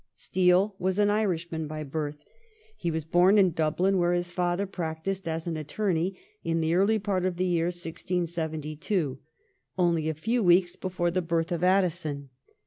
Steele was an Irishman by birth. He was born in Dublin, where his father practised as an attorney, in the early part of the year 1672, only a few weeks before the birth of Addison.